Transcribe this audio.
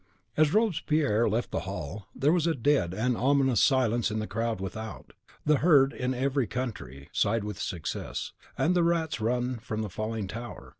As Robespierre left the hall, there was a dead and ominous silence in the crowd without. The herd, in every country, side with success; and the rats run from the falling tower.